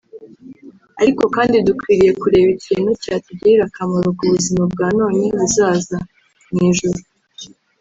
ariko kandi dukwiriye kureba ikintu cyatugirira akamaro k'ubuzima bwa none n'ubundi buzaza(mu ijuru)